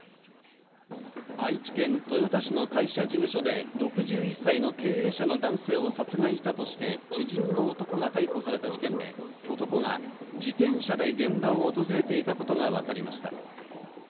愛知県豊田市の会社事務所で６１歳の経営者の男性を殺害したとして、知人の男が逮捕された事件で、男が自転車で現場を訪れていたことが分かりました。